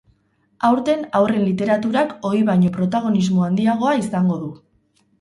Aurten haurren literaturak ohi baino protagonismo handiagoa izango du.